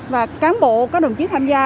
và cán bộ các đồng chí tham gia